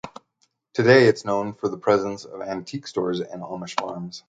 Today it is known for the presence of antique stores and Amish farms.